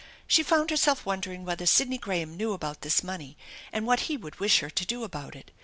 She found herself wondering whether Sidney Graham knew about this money and what he would wish her to do about it.